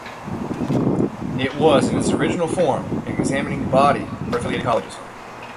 It was, in its original form, an examining body for affiliated colleges.